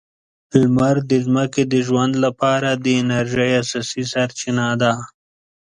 لمر د ځمکې د ژوند لپاره د انرژۍ اساسي سرچینه ده.